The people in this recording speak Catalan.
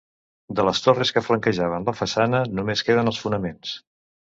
De les torres que flanquejaven la façana només queden els fonaments.